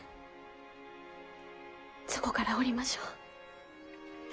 そこから降りましょう。